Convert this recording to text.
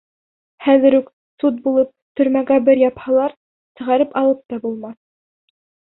— Хәҙер үк, суд булып, төрмәгә бер япһалар, сығарып алып та булмаҫ.